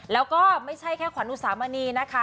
แล้วก็ไม่ใช่แค่ขวานุสามณี